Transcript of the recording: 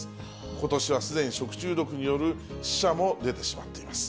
ことしはすでに食中毒による死者も出てしまっています。